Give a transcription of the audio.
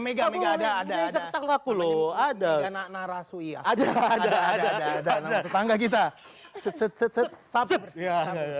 megang ada ada tak laku loh ada anak narasui ada ada ada ada tetangga kita cepet sabar ya